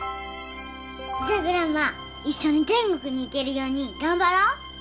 じゃあグランマ一緒に天国に行けるように頑張ろう。